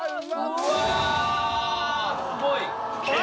うわすごい！